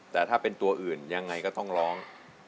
แต่ถ้าเป็นตัวอื่นยังไงก็ต้องร้อง